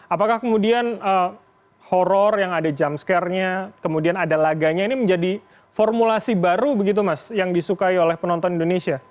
apakah kemudian horror yang ada jump scare nya kemudian ada laganya ini menjadi formulasi baru begitu mas yang disukai oleh penonton indonesia